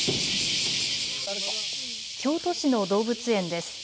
京都市の動物園です。